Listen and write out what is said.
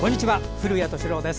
古谷敏郎です。